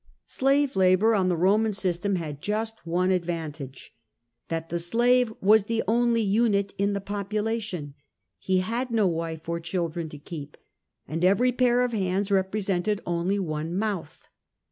Slave labour on the Roman system had just one advan tage — that the slave was the only unit in the population ; he had no wife or children to keep, and every pair of hands represented only one mouth.